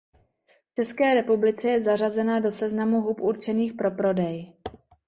V České republice je zařazena do seznamu hub určených pro prodej.